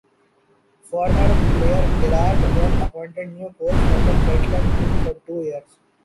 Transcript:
Former player Gerard was appointed new coach for the Catalan team for two years.